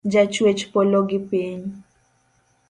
Ja chwech polo gi piny.